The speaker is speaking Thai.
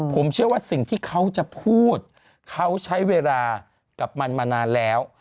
ผมเชื่อว่าสิ่งที่เขาจะพูดเขาใช้เวลากับมันมานานแล้ว